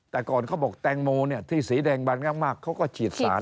แต่ก่อนเขาบอกแตงโมที่สีแดงบานมากเขาก็ฉีดสาร